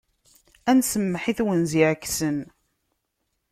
Ad nsemmeḥ i twenza iɛeksen.